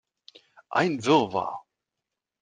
Ein Wirrwarr!